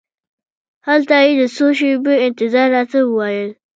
هلته یې د څو شېبو انتظار راته وویل.